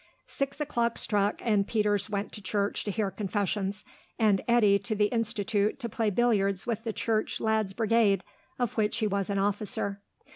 Six o'clock struck, and Peters went to church to hear confessions, and Eddy to the Institute to play billiards with the Church Lads' Brigade, of which he was an officer.